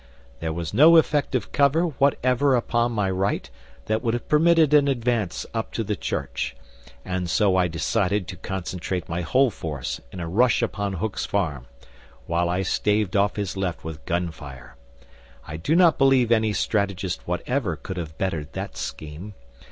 There was no effective cover whatever upon my right that would have permitted an advance up to the church, and so I decided to concentrate my whole force in a rush upon Hook's Farm, while I staved off his left with gun fire. I do not believe any strategist whatever could have bettered that scheme.